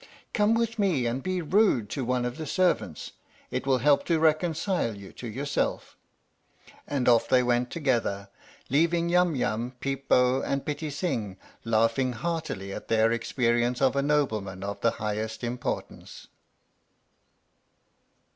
Come with me and be rude to one of the servants. It will help to reconcile you to yourself." And off they went together, leaving Yum Yum, Peep Bo and Pitti Sing laughing heartily at their experience of a nobleman of the highest importance.